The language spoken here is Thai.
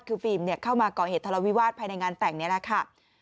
คือฟิล์มเข้ามาก่อเหตุทะเลาวิวาสภายในงานแต่งนี่แหละค่ะ